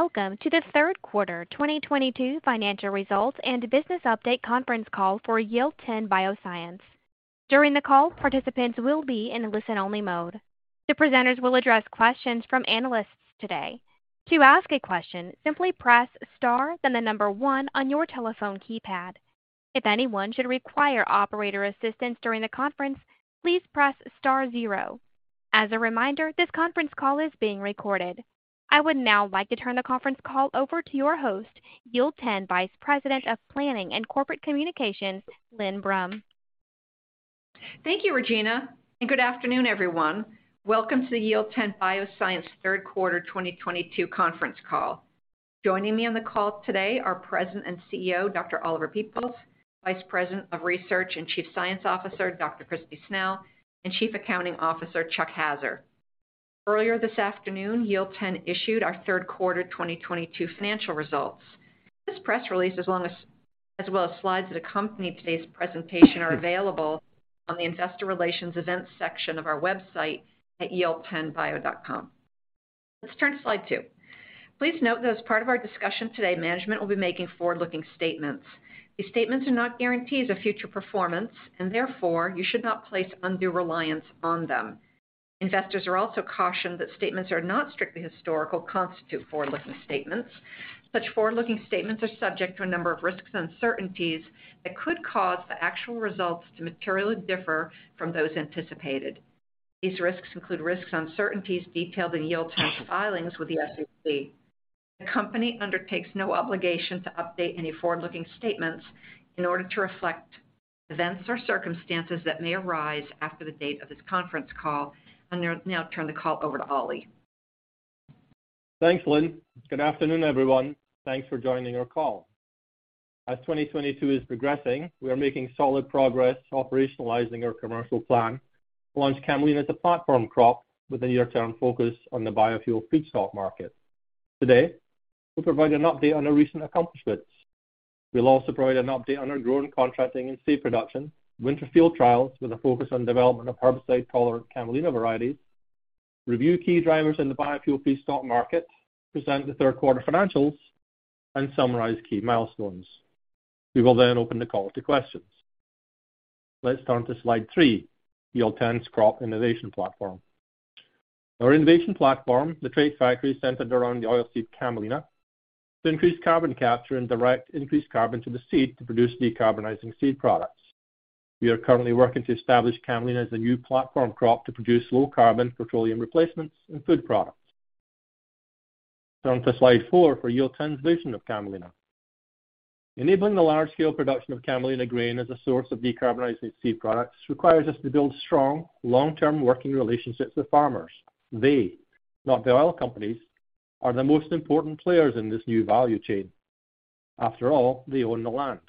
Welcome to the third quarter 2022 financial results and business update conference call for Yield10 Bioscience. During the call, participants will be in listen only mode. The presenters will address questions from analysts today. To ask a question, simply press star then the number one on your telephone keypad. If anyone should require operator assistance during the conference, please press star zero. As a reminder, this conference call is being recorded. I would now like to turn the conference call over to your host, Yield10 Vice President of Planning and Corporate Communications, Lynne Brum. Thank you, Regina, and good afternoon, everyone. Welcome to the Yield10 Bioscience third quarter 2022 conference call. Joining me on the call today are President and CEO, Dr. Oliver Peoples, Vice President of Research and Chief Science Officer, Dr. Kristi Snell, and Chief Accounting Officer, Chuck Haaser. Earlier this afternoon, Yield10 issued our third quarter 2022 financial results. This press release, as well as slides that accompany today's presentation, are available on the investor relations events section of our website at yield10bio.com. Let's turn to slide two. Please note that as part of our discussion today, management will be making forward-looking statements. These statements are not guarantees of future performance, and therefore, you should not place undue reliance on them. Investors are also cautioned that statements that are not strictly historical constitute forward-looking statements. Such forward-looking statements are subject to a number of risks and uncertainties that could cause the actual results to materially differ from those anticipated. These risks include risks and uncertainties detailed in Yield10's filings with the SEC. The company undertakes no obligation to update any forward-looking statements in order to reflect events or circumstances that may arise after the date of this conference call. I'll now turn the call over to Ollie. Thanks, Lynn. Good afternoon, everyone. Thanks for joining our call. As 2022 is progressing, we are making solid progress operationalizing our commercial plan to launch Camelina as a platform crop with a near-term focus on the biofuel feedstock market. Today, we'll provide an update on our recent accomplishments. We'll also provide an update on our growing, contracting, and seed production, winter field trials with a focus on development of herbicide-tolerant Camelina varieties, review key drivers in the biofuel feedstock market, present the third quarter financials, and summarize key milestones. We will then open the call to questions. Let's turn to slide three, Yield10's crop innovation platform. Our innovation platform, the Trait Factory, is centered around the oilseed Camelina to increase carbon capture and direct increased carbon to the seed to produce decarbonizing seed products. We are currently working to establish Camelina as a new platform crop to produce low carbon petroleum replacements and food products. Turn to slide four for Yield10's vision of Camelina. Enabling the large scale production of Camelina grain as a source of decarbonizing seed products requires us to build strong, long-term working relationships with farmers. They, not the oil companies, are the most important players in this new value chain. After all, they own the land.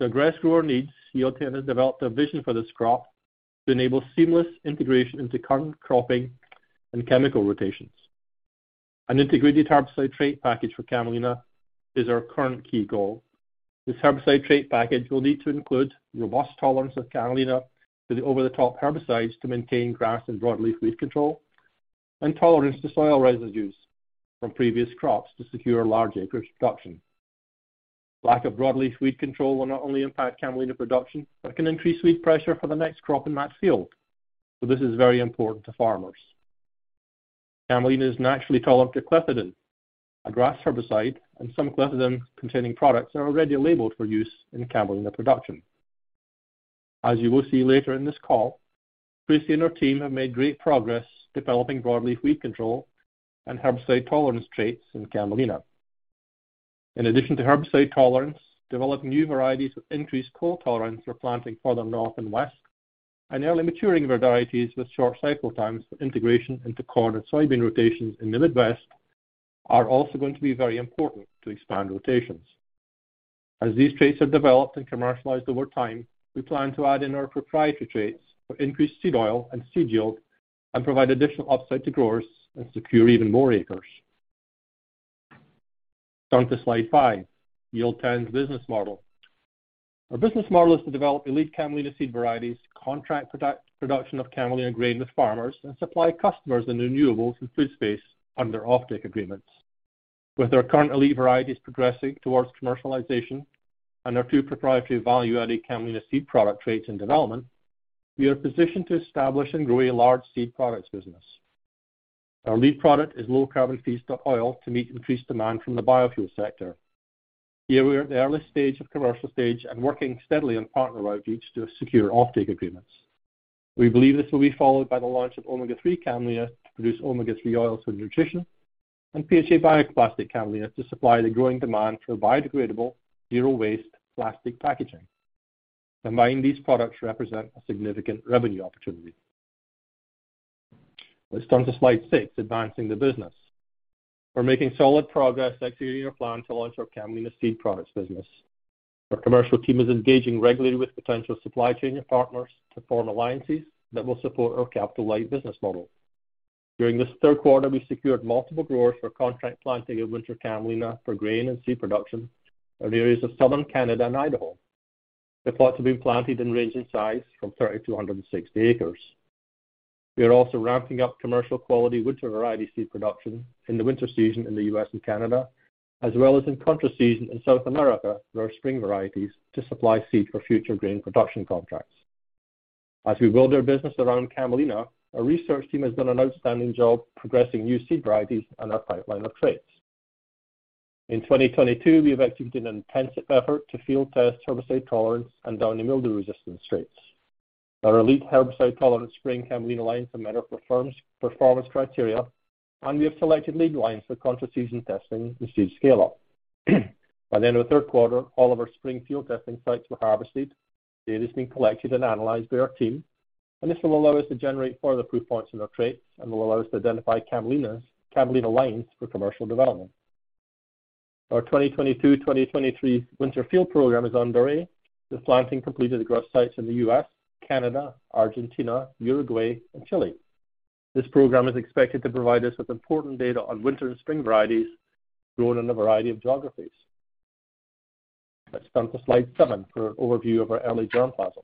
To address grower needs, Yield10 has developed a vision for this crop to enable seamless integration into current cropping and chemical rotations. An integrated herbicide trait package for Camelina is our current key goal. This herbicide trait package will need to include robust tolerance of Camelina to the over-the-top herbicides to maintain grass and broadleaf weed control and tolerance to soil residues from previous crops to secure large acreage production. Lack of broadleaf weed control will not only impact Camelina production, but can increase weed pressure for the next crop in that field, so this is very important to farmers. Camelina is naturally tolerant to Clethodim, a grass herbicide, and some Clethodim-containing products are already labeled for use in Camelina production. As you will see later in this call, Kristi and her team have made great progress developing broadleaf weed control and herbicide tolerance traits in Camelina. In addition to herbicide tolerance, developing new varieties with increased cold tolerance for planting further north and west and early maturing varieties with short cycle times for integration into corn and soybean rotations in the Midwest are also going to be very important to expand rotations. As these traits are developed and commercialized over time, we plan to add in our proprietary traits for increased seed oil and seed yield and provide additional upside to growers and secure even more acres. Turn to slide five, Yield10's business model. Our business model is to develop elite Camelina seed varieties, contract product-production of Camelina grain with farmers, and supply customers in the renewables and food space under offtake agreements. With our current elite varieties progressing towards commercialization and our two proprietary value-added Camelina seed product traits in development, we are positioned to establish and grow a large seed products business. Our lead product is low carbon feedstock oil to meet increased demand from the biofuel sector. Here we are at the early stage of commercial stage and working steadily on partner outreach to secure offtake agreements. We believe this will be followed by the launch of omega-3 Camelina to produce omega-3 oils for nutrition and PHA bioplastic Camelina to supply the growing demand for biodegradable, zero-waste plastic packaging. Combined, these products represent a significant revenue opportunity. Let's turn to slide six, advancing the business. We're making solid progress executing our plan to launch our Camelina seed products business. Our commercial team is engaging regularly with potential supply chain partners to form alliances that will support our capital-light business model. During this third quarter, we secured multiple growers for contract planting of winter Camelina for grain and seed production in areas of southern Canada and Idaho. The plots have been planted and range in size from 30 to 160 acres. We are also ramping up commercial quality winter variety seed production in the winter season in the U.S. and Canada, as well as in contra season in South America for our spring varieties to supply seed for future grain production contracts. As we build our business around Camelina, our research team has done an outstanding job progressing new seed varieties and our pipeline of traits. In 2022, we have executed an intensive effort to field test herbicide tolerance and downy mildew resistance traits. Our elite herbicide tolerant spring Camelina lines have met our performance criteria, and we have selected lead lines for contra-season testing and seed scale-up. By the end of the third quarter, all of our spring field testing sites were harvested. Data is being collected and analyzed by our team, and this will allow us to generate further proof points in our traits and will allow us to identify Camelina, Camelina lines for commercial development. Our 2022/2023 winter field program is underway, with planting completed across sites in the U.S., Canada, Argentina, Uruguay, and Chile. This program is expected to provide us with important data on winter and spring varieties grown in a variety of geographies. Let's turn to slide seven for an overview of our early germplasm.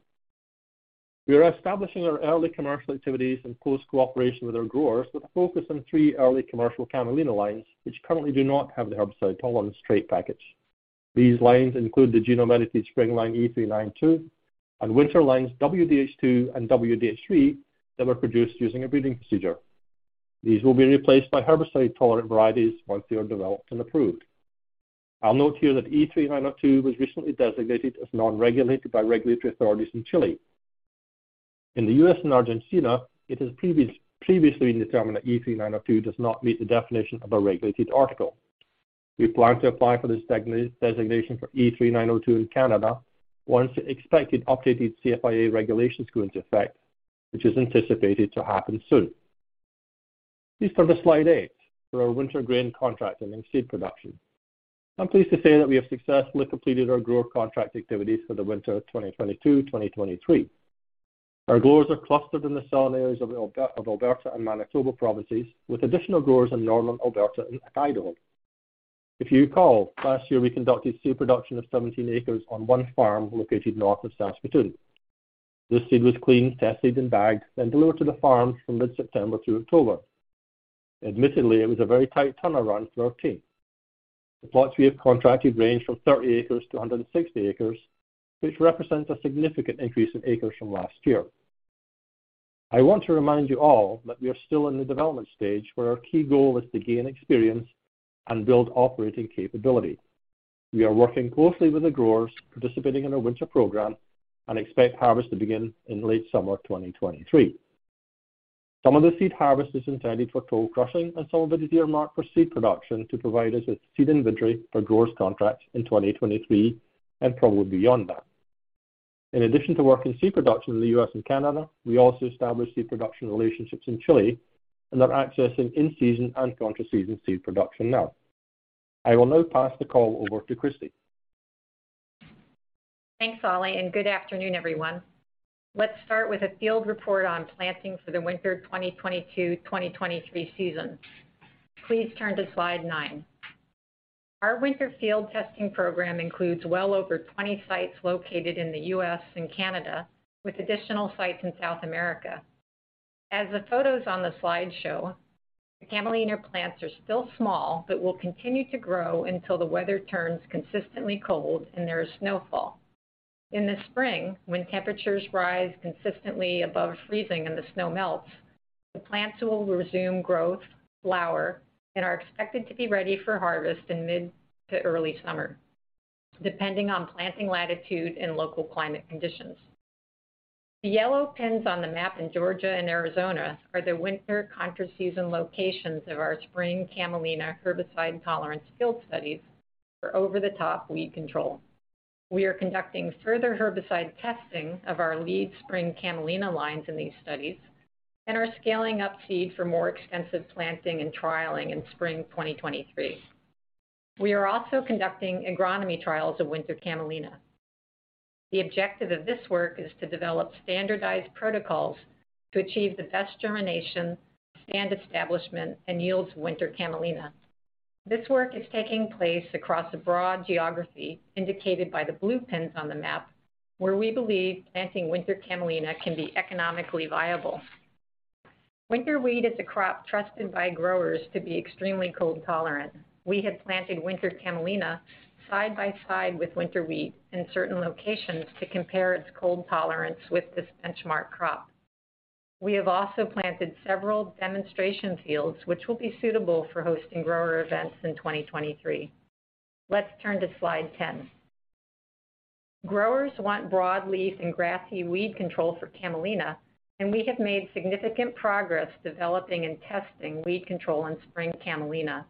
We are establishing our early commercial activities in close cooperation with our growers, with a focus on three early commercial Camelina lines which currently do not have the herbicide tolerant trait package. These lines include the genome edited spring line E3902 and winter lines WDH-2 and WDH-3 that were produced using a breeding procedure. These will be replaced by herbicide-tolerant varieties once they are developed and approved. I'll note here that E3902 was recently designated as non-regulated by regulatory authorities in Chile. In the U.S. and Argentina, it has previously been determined that E3902 does not meet the definition of a regulated article. We plan to apply for this designation for E3902 in Canada once the expected updated CFIA regulations go into effect, which is anticipated to happen soon. Please turn to slide eight for our winter grain contracting and seed production. I'm pleased to say that we have successfully completed our grower contract activities for the winter of 2022/2023. Our growers are clustered in the southern areas of Alberta and Manitoba provinces, with additional growers in northern Alberta and Saskatchewan. If you recall, last year, we conducted seed production of 17 acres on one farm located north of Saskatoon. This seed was cleaned, tested, and bagged, then delivered to the farms from mid-September to October. Admittedly, it was a very tight turn around for our team. The plots we have contracted range from 30 acres to 160 acres, which represents a significant increase in acres from last year. I want to remind you all that we are still in the development stage, where our key goal is to gain experience and build operating capability. We are working closely with the growers participating in our winter program and expect harvest to begin in late summer 2023. Some of the seed harvest is intended for toll crushing and some of it is earmarked for seed production to provide us with seed inventory for growers contracts in 2023, and probably beyond that. In addition to work in seed production in the U.S. and Canada, we also established seed production relationships in Chile and are accessing in-season and contra-season seed production now. I will now pass the call over to Kristi. Thanks, Ollie, and good afternoon, everyone. Let's start with a field report on planting for the winter 2022/2023 season. Please turn to slide nine. Our winter field testing program includes well over 20 sites located in the U.S. and Canada, with additional sites in South America. As the photos on the slide show, the Camelina plants are still small, but will continue to grow until the weather turns consistently cold and there is snowfall. In the spring, when temperatures rise consistently above freezing and the snow melts, the plants will resume growth, flower, and are expected to be ready for harvest in mid to early summer, depending on planting latitude and local climate conditions. The yellow pins on the map in Georgia and Arizona are the winter contra-season locations of our spring camelina herbicide-tolerant field studies for over-the-top weed control. We are conducting further herbicide testing of our lead spring Camelina lines in these studies and are scaling up seed for more extensive planting and trialing in spring 2023. We are also conducting agronomy trials of winter Camelina. The objective of this work is to develop standardized protocols to achieve the best germination, stand establishment, and yields of winter Camelina. This work is taking place across a broad geography, indicated by the blue pins on the map, where we believe planting winter Camelina can be economically viable. Winter wheat is a crop trusted by growers to be extremely cold tolerant. We have planted winter Camelina side by side with winter wheat in certain locations to compare its cold tolerance with this benchmark crop. We have also planted several demonstration fields which will be suitable for hosting grower events in 2023. Let's turn to slide 10. Growers want broadleaf and grassy weed control for Camelina, and we have made significant progress developing and testing weed control in spring Camelina.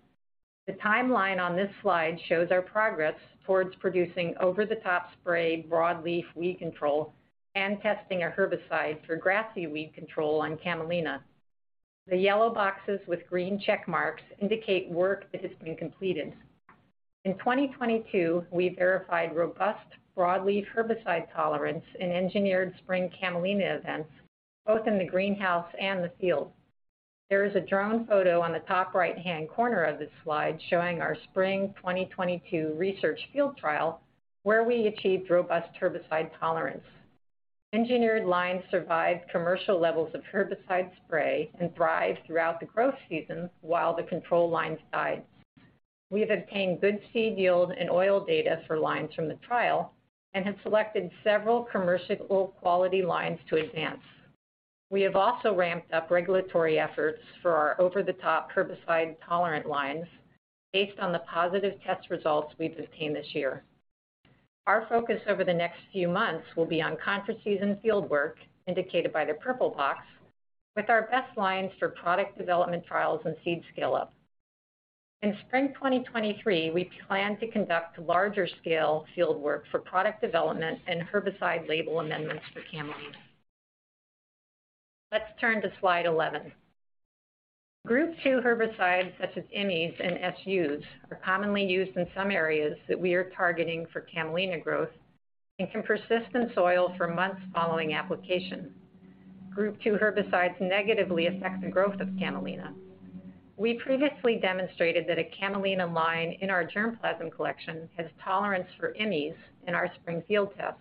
The timeline on this slide shows our progress towards producing over-the-top spray broadleaf weed control and testing a herbicide for grassy weed control on Camelina. The yellow boxes with green check marks indicate work that has been completed. In 2022, we verified robust broadleaf herbicide tolerance in engineered spring Camelina events, both in the greenhouse and the field. There is a drone photo on the top right-hand corner of this slide showing our spring 2022 research field trial where we achieved robust herbicide tolerance. Engineered lines survived commercial levels of herbicide spray and thrived throughout the growth season while the control lines died. We have obtained good seed yield and oil data for lines from the trial and have selected several commercial oil quality lines to advance. We have also ramped up regulatory efforts for our over-the-top herbicide tolerant lines based on the positive test results we've obtained this year. Our focus over the next few months will be on contra-season field work, indicated by the purple box, with our best lines for product development trials and seed scale-up. In spring 2023, we plan to conduct larger scale field work for product development and herbicide label amendments for Camelina. Let's turn to slide 11. Group two herbicides such as IMIs and SUs are commonly used in some areas that we are targeting for Camelina growth and can persist in soil for months following application. Group two herbicides negatively affect the growth of Camelina. We previously demonstrated that a camelina line in our germplasm collection has tolerance for IMIs in our spring field tests.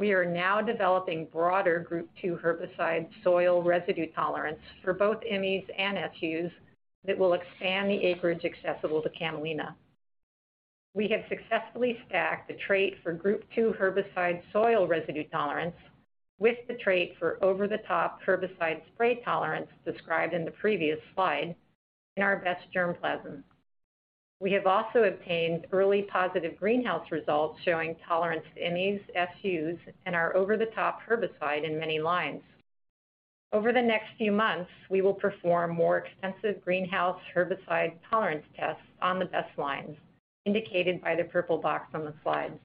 We are now developing broader Group two herbicide soil residue tolerance for both IMIs and SUs that will expand the acreage accessible to camelina. We have successfully stacked the trait for Group two herbicide soil residue tolerance with the trait for over-the-top herbicide spray tolerance described in the previous slide in our best germplasm. We have also obtained early positive greenhouse results showing tolerance to IMIs, SUs, and our over-the-top herbicide in many lines. Over the next few months, we will perform more extensive greenhouse herbicide tolerance tests on the best lines, indicated by the purple box on the slide.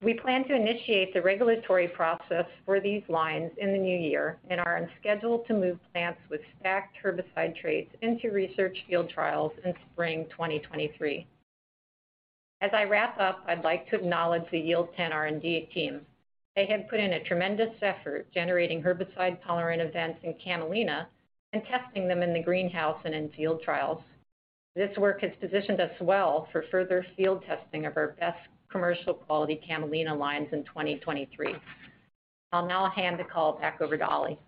We plan to initiate the regulatory process for these lines in the new year and are on schedule to move plants with stacked herbicide traits into research field trials in spring 2023. As I wrap up, I'd like to acknowledge the Yield10 R&D team. They have put in a tremendous effort generating herbicide tolerant events in Camelina and testing them in the greenhouse and in field trials. This work has positioned us well for further field testing of our best commercial quality Camelina lines in 2023. I'll now hand the call back over to Ollie.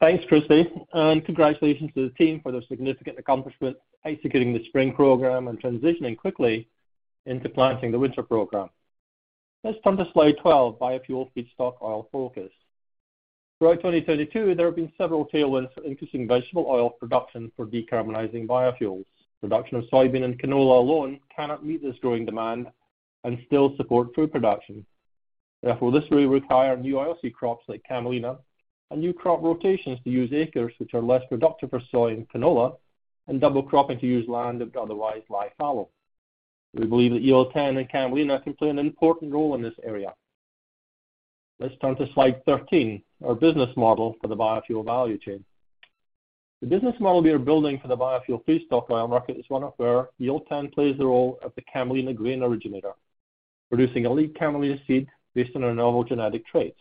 Thanks, Kristi, and congratulations to the team for their significant accomplishment executing the spring program and transitioning quickly into planting the winter program. Let's turn to slide 12, biofuel feedstock oil focus. Throughout 2022, there have been several tailwinds for increasing vegetable oil production for decarbonizing biofuels. Production of soybean and canola alone cannot meet this growing demand and still support food production. Therefore, this will require new oilseed crops like Camelina and new crop rotations to use acres which are less productive for soy and canola and double cropping to use land that would otherwise lie fallow. We believe that Yield10 and Camelina can play an important role in this area. Let's turn to slide 13, our business model for the biofuel value chain. The business model we are building for the biofuel feedstock oil market is one where Yield10 plays the role of the Camelina grain originator, producing elite Camelina seed based on our novel genetic traits.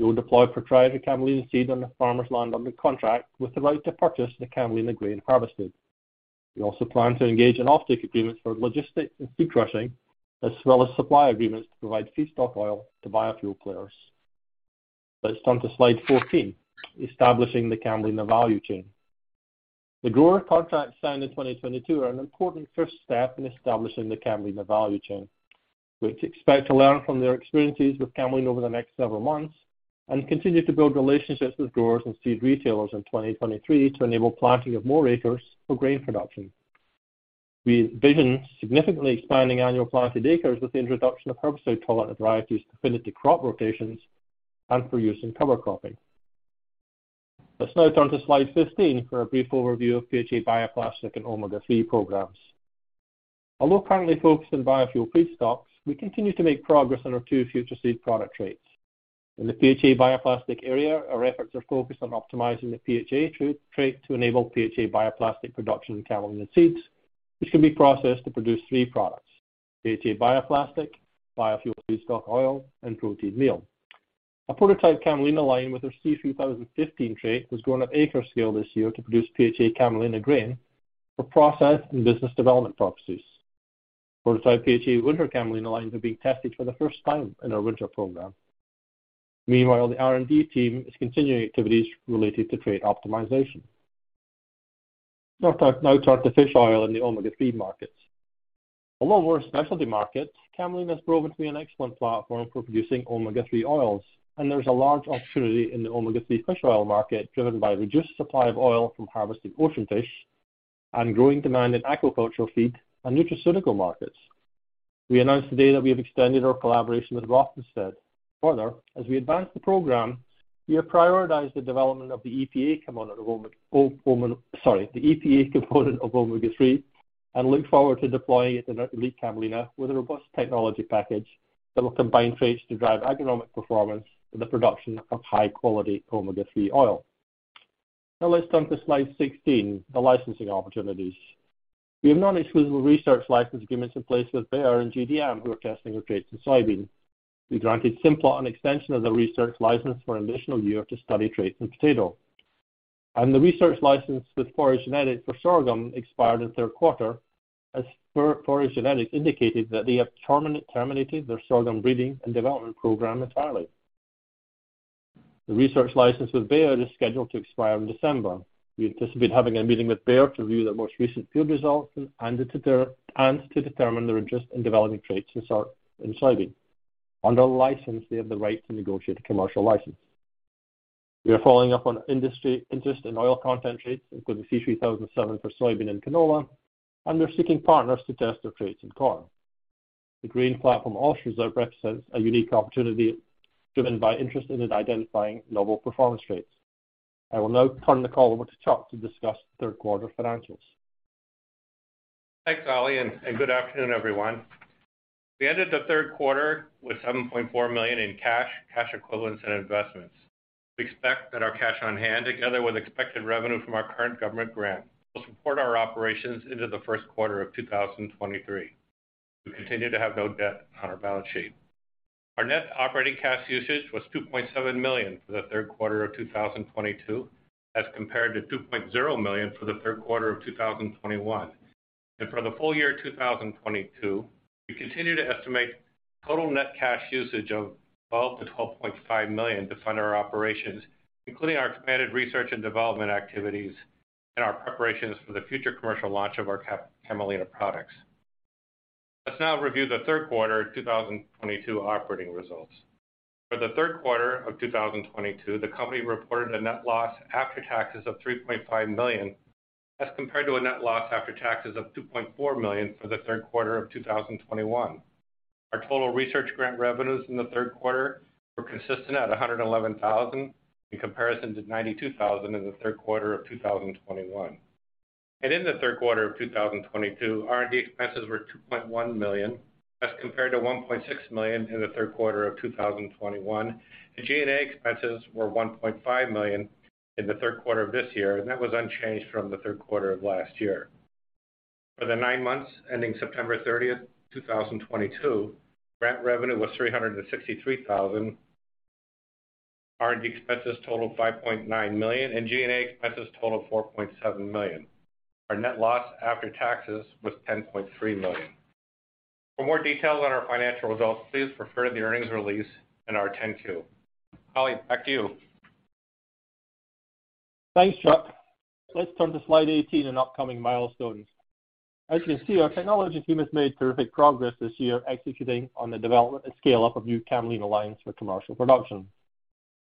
We will deploy proprietary Camelina seed on the farmer's land under contract with the right to purchase the Camelina grain harvested. We also plan to engage in offtake agreements for logistics and seed crushing, as well as supply agreements to provide feedstock oil to biofuel players. Let's turn to slide 14, establishing the Camelina value chain. The grower contracts signed in 2022 are an important first step in establishing the Camelina value chain. We expect to learn from their experiences with Camelina over the next several months and continue to build relationships with growers and seed retailers in 2023 to enable planting of more acres for grain production. We envision significantly expanding annual planted acres with the introduction of herbicide-tolerant varieties to fit into crop rotations and for use in cover cropping. Let's now turn to slide 15 for a brief overview of PHA bioplastic and omega-3 programs. Although currently focused on biofuel feedstocks, we continue to make progress on our two future seed product traits. In the PHA bioplastic area, our efforts are focused on optimizing the PHA trait to enable PHA bioplastic production in Camelina seeds, which can be processed to produce three products, PHA bioplastic, biofuel feedstock oil, and protein meal. A prototype Camelina line with our C3015 trait was grown at acre scale this year to produce PHA Camelina grain for process and business development purposes. Prototype PHA winter Camelina lines are being tested for the first time in our winter program. Meanwhile, the R&D team is continuing activities related to trait optimization. Let's now turn to fish oil and the omega-3 markets. Although more a specialty market, Camelina has proven to be an excellent platform for producing omega-3 oils, and there is a large opportunity in the omega-3 fish oil market driven by reduced supply of oil from harvested ocean fish and growing demand in aquaculture feed and nutraceutical markets. We announced today that we have extended our collaboration with Rothamsted. Further, as we advance the program, we have prioritized the development of the EPA component of omega-3 and look forward to deploying it in our elite Camelina with a robust technology package that will combine traits to drive economic performance in the production of high-quality omega-3 oil. Now let's turn to slide 16, the licensing opportunities. We have non-exclusive research license agreements in place with Bayer and GDM, who are testing our traits in soybean. We granted Simplot an extension of the research license for an additional year to study traits in potato. The research license with Forage Genetics for sorghum expired in third quarter as Forage Genetics indicated that they have terminated their sorghum breeding and development program entirely. The research license with Bayer is scheduled to expire in December. We anticipate having a meeting with Bayer to review their most recent field results and to determine their interest in developing traits in soybean. Under license, they have the right to negotiate a commercial license. We are following up on industry interest in oil content traits, including C3007 for soybean and canola, and we're seeking partners to test their traits in corn. The grain platform also represents a unique opportunity driven by interest in identifying novel performance traits. I will now turn the call over to Chuck to discuss third quarter financials. Thanks, Ollie, and good afternoon, everyone. We ended the third quarter with $7.4 million in cash equivalents, and investments. We expect that our cash on hand, together with expected revenue from our current government grant, will support our operations into the first quarter of 2023. We continue to have no debt on our balance sheet. Our net operating cash usage was $2.7 million for the third quarter of 2022, as compared to $2.0 million for the third quarter of 2021. For the full year of 2022, we continue to estimate total net cash usage of $12 million-$12.5 million to fund our operations, including our expanded research and development activities and our preparations for the future commercial launch of our Camelina products. Let's now review the third quarter of 2022 operating results. For the third quarter of 2022, the company reported a net loss after taxes of $3.5 million, as compared to a net loss after taxes of $2.4 million for the third quarter of 2021. Our total research grant revenues in the third quarter were consistent at $111,000, in comparison to $92,000 in the third quarter of 2021. In the third quarter of 2022, R&D expenses were $2.1 million, as compared to $1.6 million in the third quarter of 2021. The G&A expenses were $1.5 million in the third quarter of this year, and that was unchanged from the third quarter of last year. For the nine months ending September 30, 2022, grant revenue was $363 thousand. R&D expenses totaled $5.9 million, and G&A expenses totaled $4.7 million. Our net loss after taxes was $10.3 million. For more details on our financial results, please refer to the earnings release and our 10-Q. Ollie, back to you. Thanks, Chuck. Let's turn to slide 18 in upcoming milestones. As you can see, our technology team has made terrific progress this year executing on the development and scale-up of new Camelina lines for commercial production.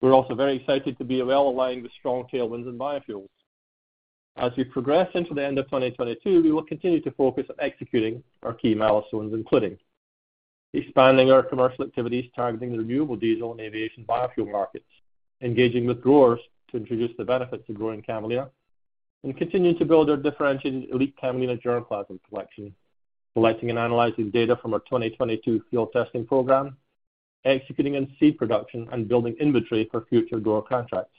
We're also very excited to be well-aligned with strong tailwinds in biofuels. As we progress into the end of 2022, we will continue to focus on executing our key milestones, including expanding our commercial activities targeting renewable diesel and aviation biofuel markets, engaging with growers to introduce the benefits of growing Camelina, and continuing to build our differentiated elite Camelina germplasm collection, collecting and analyzing data from our 2022 field testing program, executing in seed production and building inventory for future grower contracts.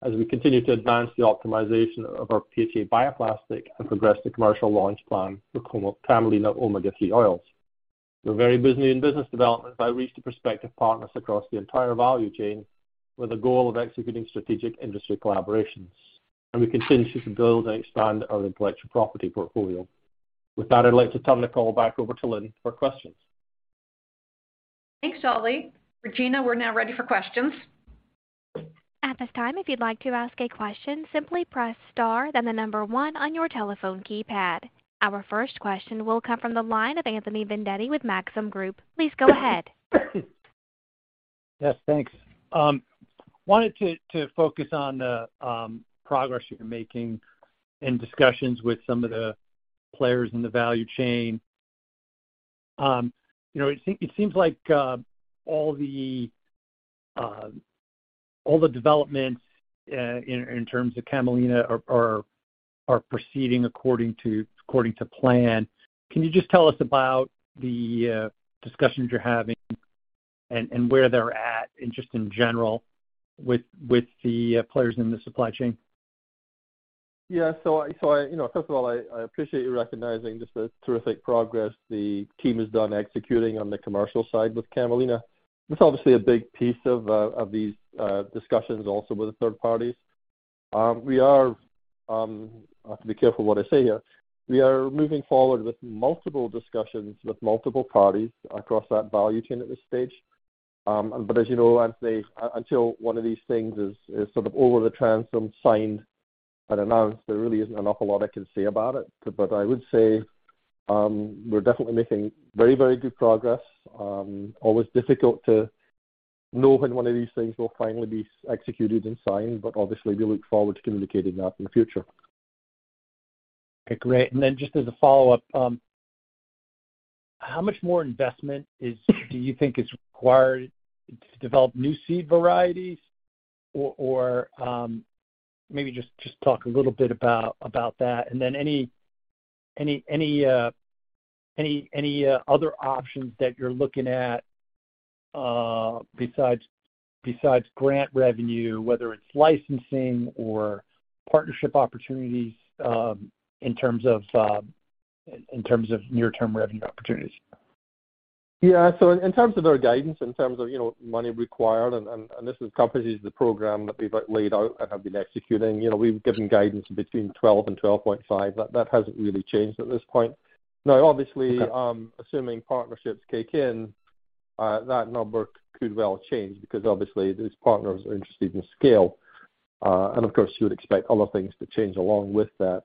As we continue to advance the optimization of our PHA bioplastic and progress the commercial launch plan for omega-3 Camelina omega-3 oils. We're very busy in business development by reach to prospective partners across the entire value chain with the goal of executing strategic industry collaborations. We continue to build and expand our intellectual property portfolio. With that, I'd like to turn the call back over to Lynne for questions. Thanks, Ollie. Regina, we're now ready for questions. At this time, if you'd like to ask a question, simply press star then the number one on your telephone keypad. Our first question will come from the line of Anthony Vendetti with Maxim Group. Please go ahead. Yes, thanks. Wanted to focus on the progress you're making in discussions with some of the players in the value chain. You know, it seems like all the developments in terms of Camelina are proceeding according to plan. Can you just tell us about the discussions you're having and where they're at just in general with the players in the supply chain? Yeah. You know, first of all, I appreciate you recognizing just the terrific progress the team has done executing on the commercial side with Camelina. That's obviously a big piece of these discussions also with the third parties. I have to be careful what I say here. We are moving forward with multiple discussions with multiple parties across that value chain at this stage. As you know, Anthony, until one of these things is sort of over the transom signed and announced, there really isn't an awful lot I can say about it. I would say, we're definitely making very good progress. Always difficult to know when one of these things will finally be executed and signed, but obviously, we look forward to communicating that in the future. Okay, great. Just as a follow-up, how much more investment do you think is required to develop new seed varieties? Or, maybe just talk a little bit about that, and then any other options that you're looking at. Besides grant revenue, whether it's licensing or partnership opportunities, in terms of near-term revenue opportunities. Yeah. In terms of our guidance, in terms of money required, and this encompasses the program that we've like laid out and have been executing. You know, we've given guidance between $12 and $12.5. That hasn't really changed at this point. Now obviously Okay. Assuming partnerships kick in, that number could well change because obviously these partners are interested in scale. Of course you would expect other things to change along with that.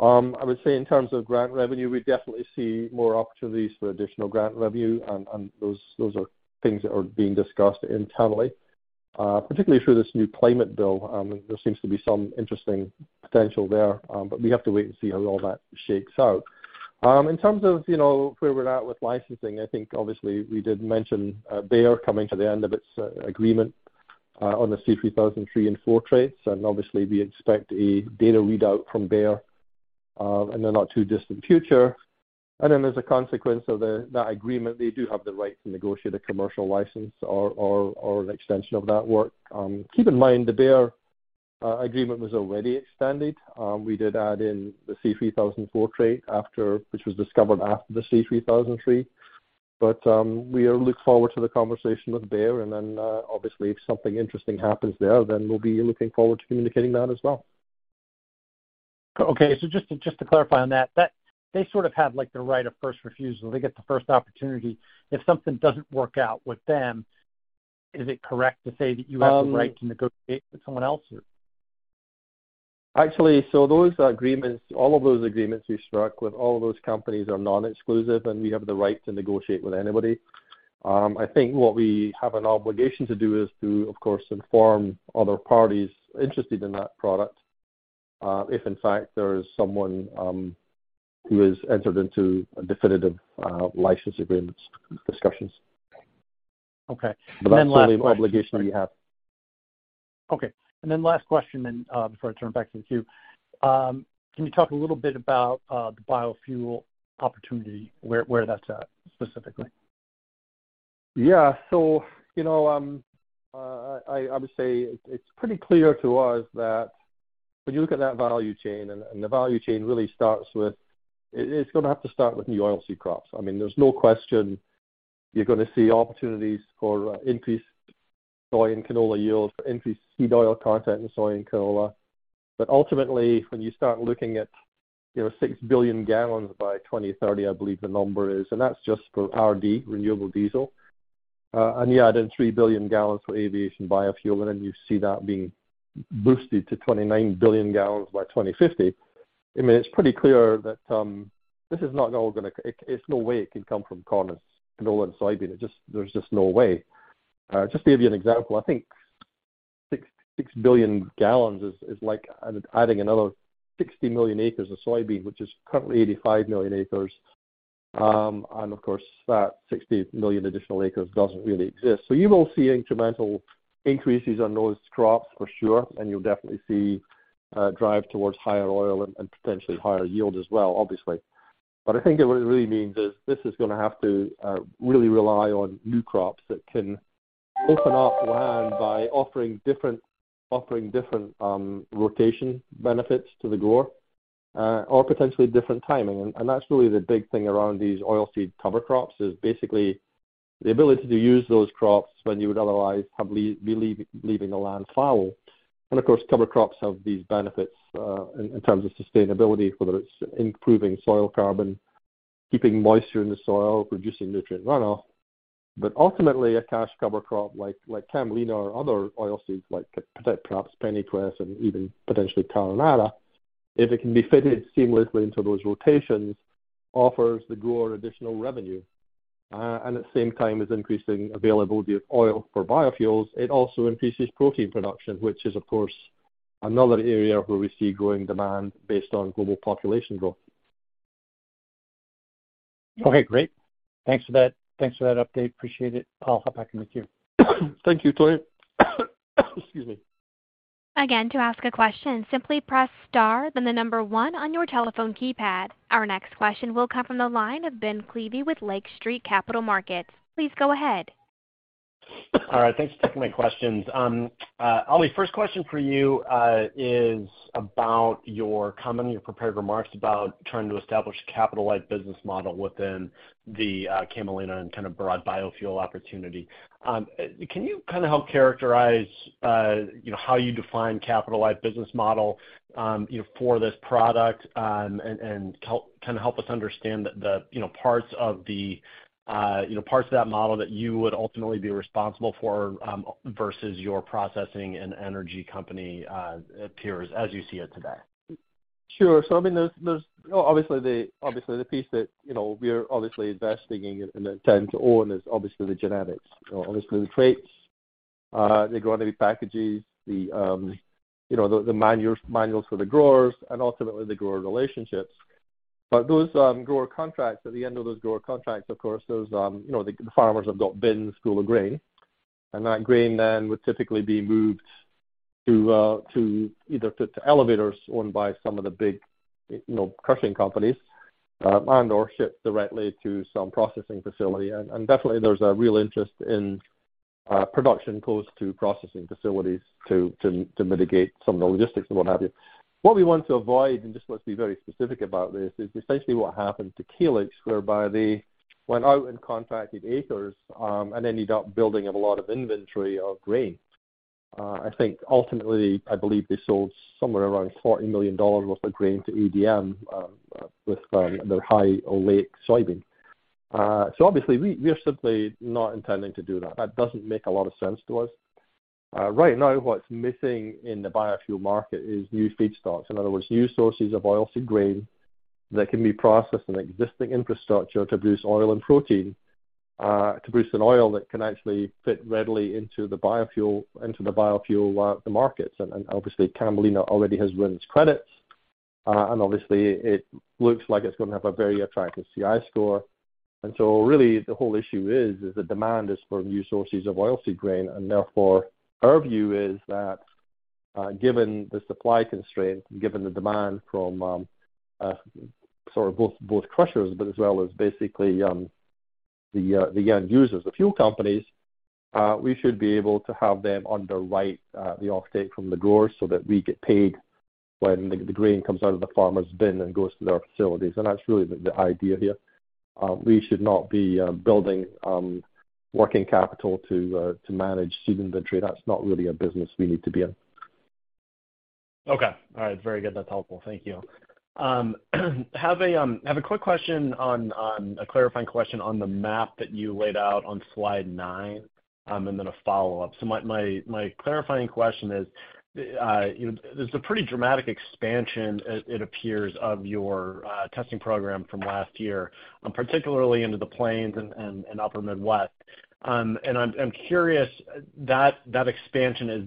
I would say in terms of grant revenue, we definitely see more opportunities for additional grant revenue and those are things that are being discussed internally. Particularly through this new climate bill, there seems to be some interesting potential there, but we have to wait and see how all that shakes out. In terms of, you know, where we're at with licensing, I think obviously we did mention Bayer coming to the end of its agreement on the C3003 and C3004 traits. Obviously we expect a data readout from Bayer in the not too distant future. As a consequence of that agreement, they do have the right to negotiate a commercial license or an extension of that work. Keep in mind, the Bayer agreement was already expanded. We did add in the C3004 trait after, which was discovered after the C3003. We look forward to the conversation with Bayer and then, obviously if something interesting happens there, then we'll be looking forward to communicating that as well. Okay. Just to clarify on that, they sort of have like the right of first refusal. They get the first opportunity. If something doesn't work out with them, is it correct to say that you have the right to negotiate with someone else? Actually, those agreements, all of those agreements we struck with all of those companies are non-exclusive, and we have the right to negotiate with anybody. I think what we have an obligation to do is to, of course, inform other parties interested in that product, if in fact there is someone, who has entered into definitive, license agreements discussions. Okay. Last question? That's certainly an obligation we have. Okay. Last question before I turn it back to the queue. Can you talk a little bit about the biofuel opportunity, where that's at specifically? Yeah. You know, I would say it's pretty clear to us that when you look at that value chain, and the value chain really starts with new oilseed crops. I mean, there's no question you're gonna see opportunities for increased soy and canola yields, for increased seed oil content in soy and canola. But ultimately, when you start looking at, you know, six billion gallons by 2030, I believe the number is, and that's just for RD, renewable diesel. And you add in three billion gallons for aviation biofuel, and then you see that being boosted to 29 billion gallons by 2050. I mean, it's pretty clear that this is not all gonna come from corn and canola and soybean. It just. There's just no way. Just to give you an example, I think six billion gallons is like adding another 60 million acres of soybean, which is currently 85 million acres. Of course, that 60 million additional acres doesn't really exist. You will see incremental increases on those crops for sure, and you'll definitely see drive towards higher oil and potentially higher yield as well, obviously. I think what it really means is this is gonna have to really rely on new crops that can open up land by offering different rotation benefits to the grower or potentially different timing. That's really the big thing around these oilseed cover crops is basically the ability to use those crops when you would otherwise be leaving the land fallow. Of course, cover crops have these benefits in terms of sustainability, whether it's improving soil carbon, keeping moisture in the soil, reducing nutrient runoff. Ultimately, a cash cover crop like Camelina or other oilseeds like perhaps pennycress and even potentially carinata, if it can be fitted seamlessly into those rotations, offers the grower additional revenue. At the same time as increasing availability of oil for biofuels, it also increases protein production, which is, of course, another area where we see growing demand based on global population growth. Okay, great. Thanks for that. Thanks for that update. Appreciate it. I'll hop back in the queue. Thank you, Tony. Excuse me. Again, to ask a question, simply press star then the number one on your telephone keypad. Our next question will come from the line of Ben Klieve with Lake Street Capital Markets. Please go ahead. All right. Thanks for taking my questions. Oliver, first question for you, is about your comment in your prepared remarks about trying to establish a capital light business model within the Camelina and kind of broad biofuel opportunity. Can you kinda help characterize, you know, how you define capital light business model, you know, for this product, and help us understand the, you know, parts of that model that you would ultimately be responsible for, versus your processing and energy company peers as you see it today? Sure. I mean, there's you know, obviously the piece that you know, we're obviously investing in and intend to own is obviously the genetics. Obviously the traits, the agronomy packages, you know, the manuals for the growers, and ultimately the grower relationships. Those grower contracts, at the end of those grower contracts, of course, those you know, the farmers have got bins full of grain. That grain then would typically be moved to either elevators owned by some of the big you know, crushing companies, and/or shipped directly to some processing facility. Definitely there's a real interest in production close to processing facilities to mitigate some of the logistics and what have you. What we want to avoid, and just let's be very specific about this, is essentially what happened to Calyxt, whereby they went out and contracted acres, and ended up building up a lot of inventory of grain. I think ultimately, I believe they sold somewhere around $40 million worth of grain to ADM, with their high oleic soybean. So obviously we are simply not intending to do that. That doesn't make a lot of sense to us. Right now, what's missing in the biofuel market is new feedstocks. In other words, new sources of oilseed grain that can be processed in existing infrastructure to produce oil and protein, to produce an oil that can actually fit readily into the biofuel markets. Obviously, Camelina already has RINs credits. Obviously it looks like it's gonna have a very attractive CI score. Really the whole issue is the demand is for new sources of oilseed grain. Therefore our view is that, given the supply constraint, given the demand from, sort of both crushers, but as well as basically, the end users, the fuel companies, we should be able to have them underwrite the offtake from the growers so that we get paid when the grain comes out of the farmer's bin and goes to their facilities. That's really the idea here. We should not be building working capital to manage seed inventory. That's not really a business we need to be in. Okay. All right. Very good. That's helpful. Thank you. Have a quick question on a clarifying question on the map that you laid out on slide nine, and then a follow-up. My clarifying question is, you know, there's a pretty dramatic expansion, it appears, of your testing program from last year, and particularly into the Plains and Upper Midwest. And I'm curious, that expansion, is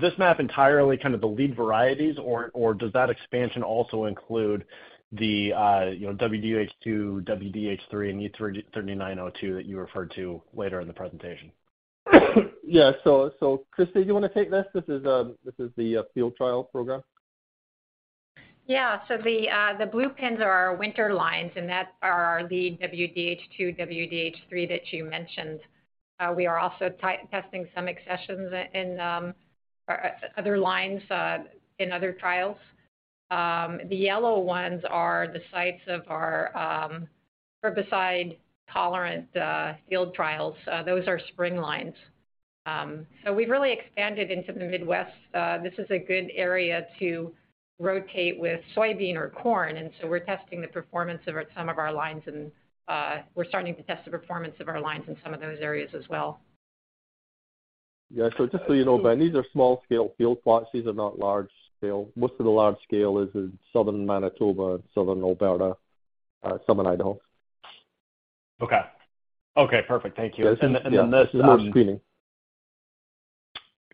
this map entirely kind of the lead varieties or does that expansion also include the, you know, WDH-2, WDH-3, and E-3902 that you referred to later in the presentation? Kristi, do you wanna take this? This is the field trial program. The blue pins are our winter lines, and those are our lead WDH-2, WDH-3 that you mentioned. We are also testing some accessions in or other lines in other trials. The yellow ones are the sites of our herbicide-tolerant field trials. Those are spring lines. We've really expanded into the Midwest. This is a good area to rotate with soybean or corn, and we're testing the performance of some of our lines, and we're starting to test the performance of our lines in some of those areas as well. Just so you know, Ben, these are small-scale field plots. These are not large-scale. Most of the large-scale is in Southern Manitoba and Southern Alberta, Southern Idaho. Okay. Okay, perfect. Thank you. Yeah. And then, and then this, um- This is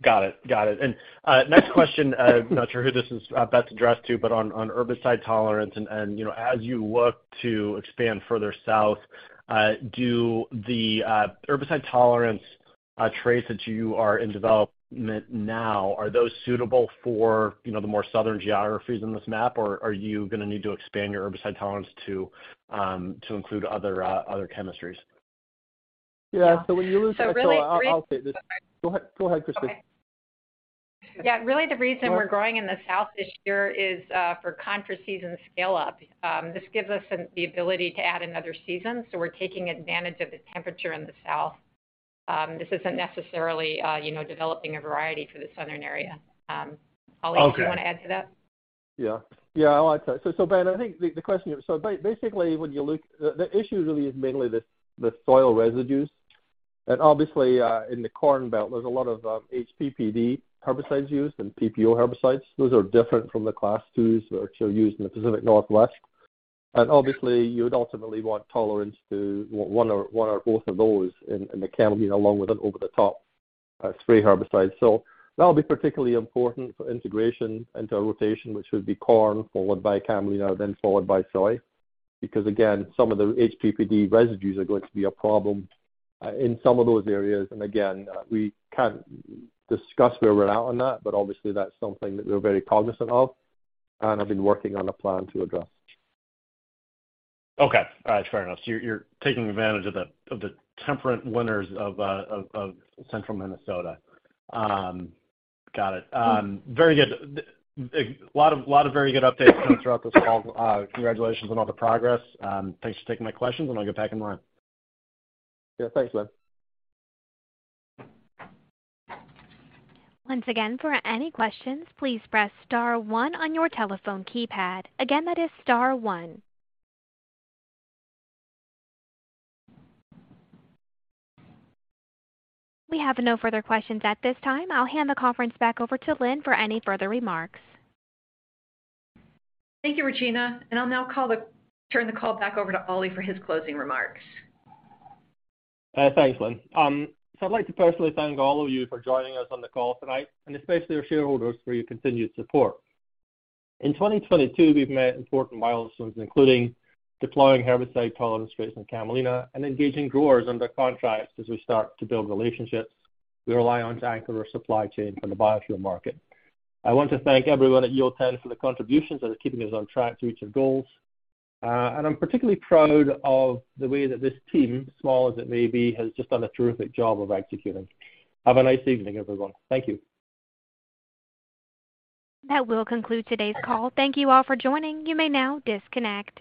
more screening. Got it. Next question, not sure who this is best addressed to, but on herbicide tolerance and, you know, as you look to expand further south, do the herbicide tolerance traits that you are in development now, are those suitable for, you know, the more southern geographies in this map, or are you gonna need to expand your herbicide tolerance to include other chemistries? Yeah. When you lose. really. I'll take this. Okay. Go ahead, Kristi. Okay. Yeah, really the reason we're growing in the south this year is for counter season scale up. This gives us the ability to add another season, so we're taking advantage of the temperature in the south. This isn't necessarily, you know, developing a variety for the southern area. Ollie. Okay. Do you wanna add to that? Yeah. I'll add to that. Ben, I think the question. Basically when you look, the issue really is mainly the soil residues. Obviously, in the corn belt there's a lot of HPPD herbicides used and PPO herbicides. Those are different from the class 2s which are used in the Pacific Northwest. Obviously, you would ultimately want tolerance to one or both of those in the Camelina along with an over the top spray herbicide. That'll be particularly important for integration into a rotation, which would be corn followed by Camelina, then followed by soy. Because again, some of the HPPD residues are going to be a problem in some of those areas. Again, we can't discuss where we're at on that, but obviously that's something that we're very cognizant of and have been working on a plan to address. Okay. All right. Fair enough. You're taking advantage of the temperate winters of Central Minnesota. Got it. Very good. A lot of very good updates coming throughout this call. Congratulations on all the progress. Thanks for taking my questions, and I'll get back in line. Yeah, thanks, Ben. Once again, for any questions, please press star one on your telephone keypad. Again, that is star one. We have no further questions at this time. I'll hand the conference back over to Lynne for any further remarks. Thank you, Regina. I'll now turn the call back over to Olli for his closing remarks. Thanks, Lynn. I'd like to personally thank all of you for joining us on the call tonight, and especially our shareholders for your continued support. In 2022, we've met important milestones, including deploying herbicide tolerant traits in Camelina and engaging growers under contracts as we start to build relationships we rely on to anchor our supply chain for the biofuel market. I want to thank everyone at Yield10 for the contributions that are keeping us on track to reach our goals. I'm particularly proud of the way that this team, small as it may be, has just done a terrific job of executing. Have a nice evening, everyone. Thank you. That will conclude today's call. Thank you all for joining. You may now disconnect.